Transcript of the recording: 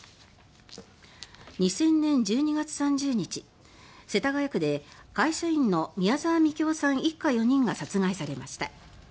２０００年１２月３０日世田谷区で会社員の宮沢みきおさん一家４人が殺害されました。